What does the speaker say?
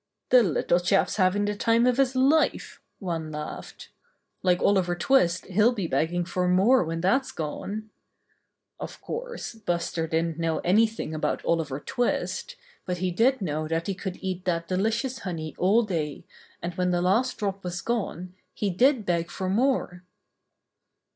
"The little chap's having the time of his life," one laughed. "Like Oliver Twist he'll be begging for more when that's gone." Of course, Buster didn't know anything about Oliver Twist, but he did know that he could eat that delicious honey all day, and when the last drop was gone he did beg for more.